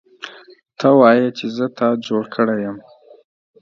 ته وایې چې زه تا جوړ کړی یم